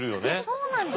そうなんですよ。